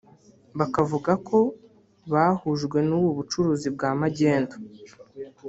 bakavugako bahujwe n’ubu Bucuruzi bwa magendu